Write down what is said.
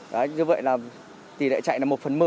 vậy là tỷ lệ chạy là một phần một mươi